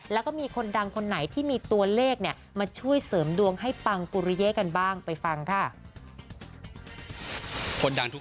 มันมาคู่กันจนแทบจะแยกไม่ออกอยู่แล้วจริงหรือเปล่า